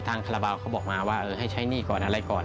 คาราบาลเขาบอกมาว่าให้ใช้หนี้ก่อนอะไรก่อน